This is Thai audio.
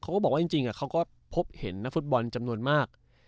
ก็บอกว่าจริงเขาก็พบเห็นนักฟุตบอลจำนวนมาก